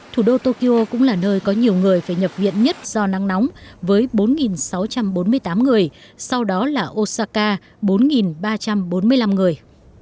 thủ đô tokyo cũng là nơi có nhiều người phải nhập viện nhất do nắng nóng với bốn sáu trăm bốn mươi tám người sau đó là osaka bốn ba trăm bốn mươi năm người